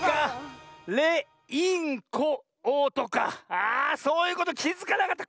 あそういうこときづかなかった。